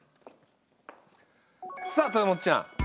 さあ豊本ちゃん。